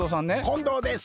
近藤です。